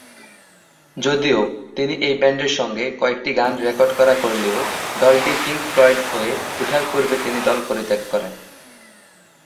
যদিও, তিনি এই ব্যান্ডের সঙ্গে কয়েকটি গান রেকর্ড করা করলেও, দলটি পিংক ফ্লয়েড হয়ে ওঠার পূর্বে তিনি দল পরিত্যাগ করেন।